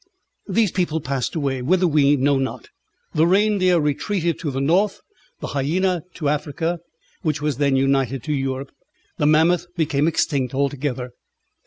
These people passed away, whither we know not. The reindeer retreated to the north, the hyæna to Africa, which was then united to Europe. The mammoth became extinct altogether.